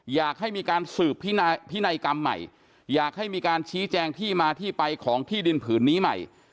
อยากให้มีการสืบพินัยกรรมใหม่อยากให้มีการชี้แจงที่มาที่ไปของที่ดินผืนนี้ใหม่